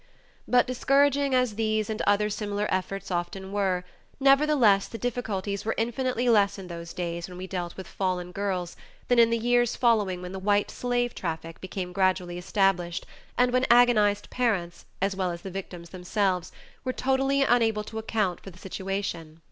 But discouraging as these and other similar efforts often were, nevertheless the difficulties were infinitely less in those days when we dealt with "fallen girls" than in the years following when the "white slave traffic" became gradually established and when agonized parents, as well as the victims themselves, were totally unable to account for the situation.